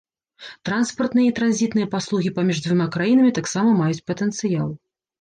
Транспартныя і транзітныя паслугі паміж дзвюма краінамі таксама маюць патэнцыял.